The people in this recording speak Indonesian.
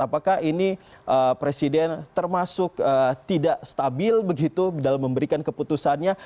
apakah ini presiden termasuk tidak stabil begitu dalam memberikan keputusannya